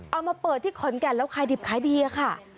เอามาเปิดที่ขอนแก่นแล้วขายดิบขายดีอะค่ะ